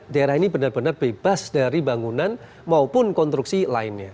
daerah ini benar benar bebas dari bangunan maupun konstruksi lainnya